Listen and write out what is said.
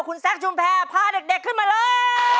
คุณแซคชุมแพรพาเด็กขึ้นมาเลย